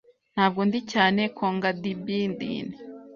Ntabwo ndi cyane kogadibdin